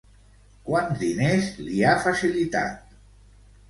Quants diners li ha facilitat?